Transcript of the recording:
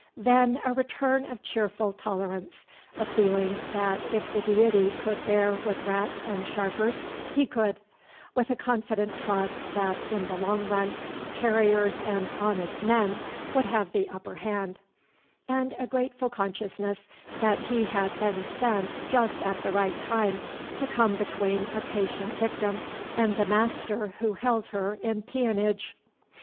Then a return of cheerful tolerance, a feeling, that, if the Deity could bear with rats and sharpers, he could; with a confident trust, that, in the long run, terriers and honest men would have the upperhand, and a grateful consciousness that he had been sent just at the right time to come between a patient victim and the master who held her in peonage.